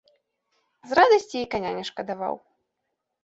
З радасці і каня не шкадаваў.